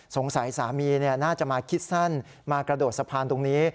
สามีน่าจะมาคิดสั้นมากระโดดสะพานตรงนี้